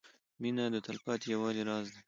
• مینه د تلپاتې یووالي راز دی.